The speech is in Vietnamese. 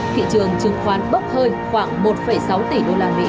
thị trường chứng khoán bốc hơi khoảng một sáu tỷ đô la mỹ